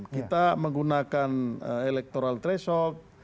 kita menggunakan elektoral tresok